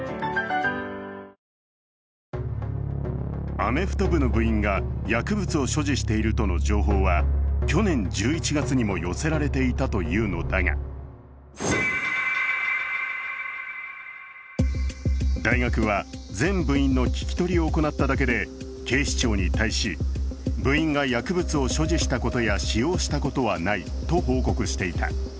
アメフト部の部員が薬物を所持しているとの情報は去年１１月にも寄せられていたというのだが大学は、全部員の聞き取りを行っただけで警視庁に対し、部員が薬物を所持したことや使用したことはないと報告していた。